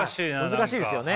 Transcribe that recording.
難しいですよね。